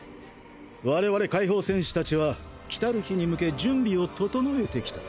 我々解放戦士達は来たる日に向け準備を整えてきた。